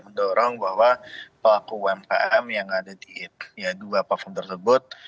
mendorong bahwa pelaku umkm yang ada di dua platform tersebut